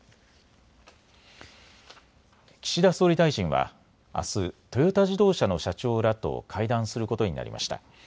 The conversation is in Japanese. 岸田総理大臣はあす、トヨタ自動車の社長らと会談することになりました。